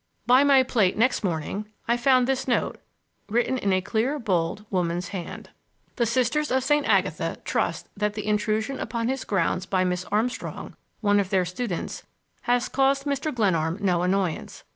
By my plate next morning I found this note, written in a clear, bold, woman's hand: The Sisters of St. Agatha trust that the intrusion upon his grounds by Miss Armstrong, one of their students, has caused Mr. Glenarm no annoyance.